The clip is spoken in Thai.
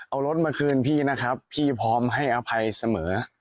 เอารถมาคืนพี่นะครับพี่พร้อมให้อภัยเสมอ